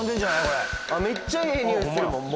これめっちゃええ匂いするもん